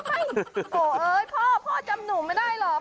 หัวเอิชพ่อ้พ่อจำหนูไม่ได้หรือ